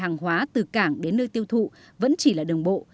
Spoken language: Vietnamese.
hàng hóa từ cảng đến nơi tiêu thụ vẫn chỉ là đường bộ